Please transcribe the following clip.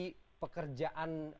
karena mengatakan bahwa ini sudah berbunyi